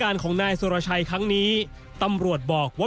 ไม่ได้หยิงกับใคร